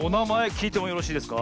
きいてもよろしいですか？